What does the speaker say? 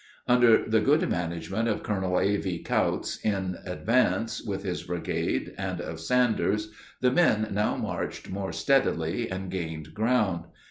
Under the good management of Colonel A.V. Kautz in advance, with his brigade, and of Sanders, the men now marched more steadily and gained ground.